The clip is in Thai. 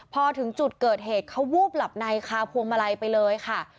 พอถึงจุดเกิดเหตุเขาวูบหลับในคาพวงมาลัยไปเลยค่ะ